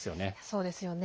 そうですよね。